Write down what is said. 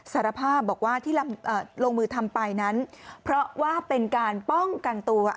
สารภาพบอกว่าที่ลงมือทำไปนั้นเพราะว่าเป็นการป้องกันตัว